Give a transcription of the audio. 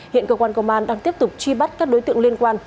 hiện cơ quan công an đang tiếp tục truy bắt các đối tượng liên quan